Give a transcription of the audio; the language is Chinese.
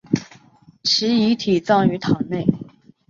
其遗体葬于堂内。